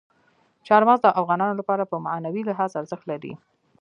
چار مغز د افغانانو لپاره په معنوي لحاظ ارزښت لري.